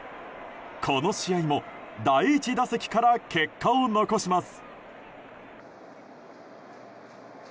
この試合も第１打席から結果を残します。